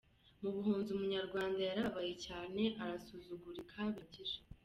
Mu buhunzi Umunyarwanda yarababaye cyane arasuzugurika bihagije.